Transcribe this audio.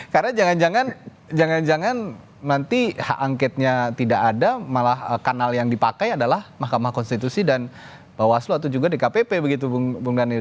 karena jangan jangan jangan jangan nanti hak angketnya tidak ada malah kanal yang dipakai adalah mahkamah konstitusi dan bawaslu atau juga dkpp begitu bung daniel